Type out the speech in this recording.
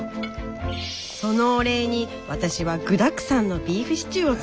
そのお礼に私は具だくさんのビーフシチューを作りました。